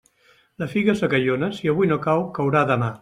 La figa secallona, si avui no cau, caurà demà.